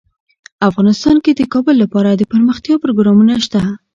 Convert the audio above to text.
افغانستان کې د کابل لپاره دپرمختیا پروګرامونه شته.